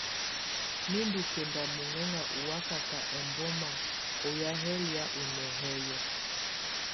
Mɛ̀ ndù kɛnda muŋɛŋa ù wakaka ɛmbɔma ɔ́ ya yɛ lɛ̀á ù nɛhɛyɛ.